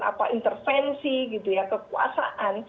apa intervensi gitu ya kekuasaan